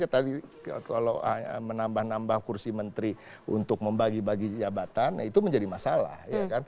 tadi kalau menambah nambah kursi menteri untuk membagi bagi jabatan itu menjadi masalah